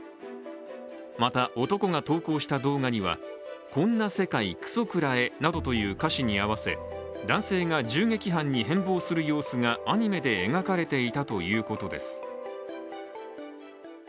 また男が投稿した動画には「こんな世界くそ食らえ」などという歌詞に合わせ男性が銃撃犯に変貌する様子がアニメで描かれていたということです。